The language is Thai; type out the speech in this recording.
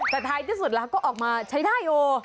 สักท้ายที่สุดแล้วก็ออกมาใช้ได้โอ